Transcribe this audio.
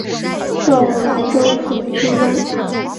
授莱州府推官。